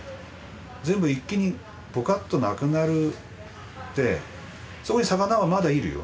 全部一気にぼかっとなくなるってそこに魚はまだいるよ。